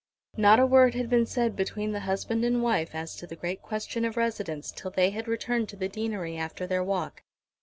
Not a word had been said between the husband and wife as to the great question of residence till they had returned to the deanery after their walk.